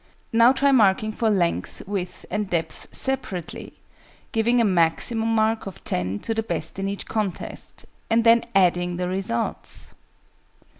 Now try marking for length, width, and depth, separately; giving a maximum mark of 10 to the best in each contest, and then adding the results!